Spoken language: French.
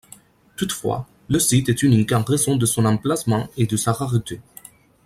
Toutefois, le site est unique en raison de son emplacement et de sa rareté.